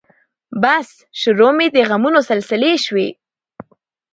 بس شروع مې د غمونو سلسلې شوې